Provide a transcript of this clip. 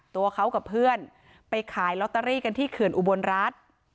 ตัวเขากับเพื่อนไปขายลอตเตอรี่กันที่เขื่อนอุบลรัฐ